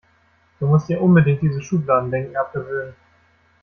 Du musst dir unbedingt dieses Schubladendenken abgewöhnen.